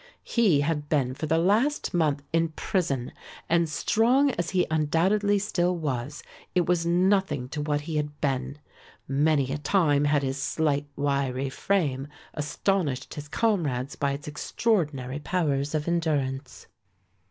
He had been for the last month in prison and strong as he undoubtedly still was, it was nothing to what he had been. Many a time had his slight wiry frame astonished his comrades by its extraordinary powers of endurance.